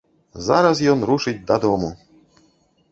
Зараз ён рушыць дадому!